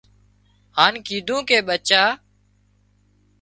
هانَ ڪيڌون ڪي ٻچا